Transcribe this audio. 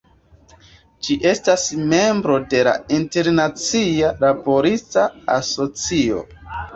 Ĝi estas membro de la Internacia Laborista Asocio.